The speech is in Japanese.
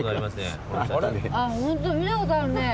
ホント見たことあるね。